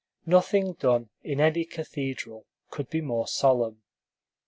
Nothing done in any cathedral could be more solemn.